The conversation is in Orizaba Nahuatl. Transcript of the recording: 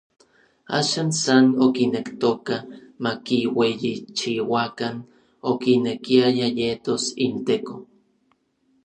Axan san okinektoka makiueyichiuakan, okinekiaya yetos inTeko.